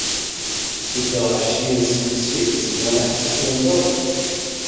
Du Daişiyên Swîsrî li zindana Hesekê wenda bûne.